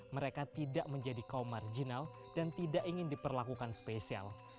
mereka tidak menjadi kaum marginal dan tidak ingin diperlakukan spesial